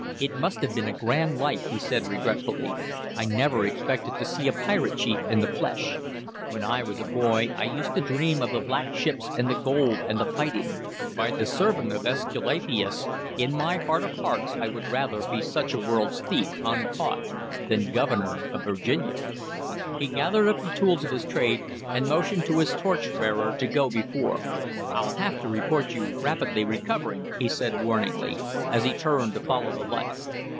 "It must have been a grand life," he said regretfully. "I never expected to see a pirate chief in the flesh. When I was a boy, I used to dream of the black ships and the gold and the fighting. By the serpent of Esculapius, in my heart of hearts I would rather be such a world's thief, uncaught, than Governor of Virginia!" He gathered up the tools of his trade, and motioned to his torchbearer to go before. "I'll have to report you rapidly recovering," he said warningly, as he turned to follow the light.